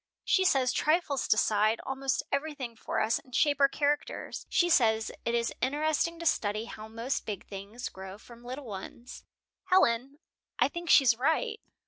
She says trifles decide almost everything for us, and shape our characters. She says it is interesting to study how most big things grow from little ones. "Helen, I think she's right."